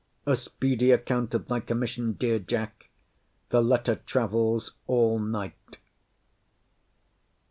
A speedy account of thy commission, dear Jack! The letter travels all night.